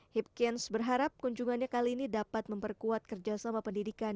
hipkins berharap kunjungannya kali ini dapat memperkuat kerjasama pendidikan